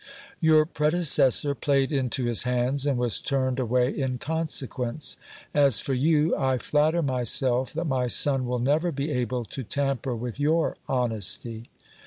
Your predecessor played into his hands, and was turned away in consequence. As for you, I flatter myself that my son will never be able to tamper with your honesty.